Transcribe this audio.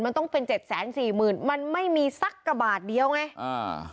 มันต้องเป็นเจ็ดแสนสี่หมื่นมันไม่มีสักกระบาทเดียวไงอ่า